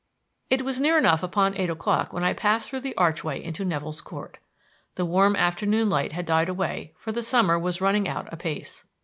It was near upon eight o'clock when I passed through the archway into Nevill's Court. The warm afternoon light had died away, for the summer was running out apace.